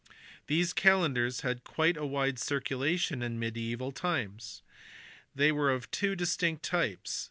These calendars had a wide circulation in mediaeval times. They were of two distinct types.